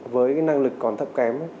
với năng lực còn thấp kém